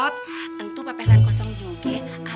tentu pepesan kosong juga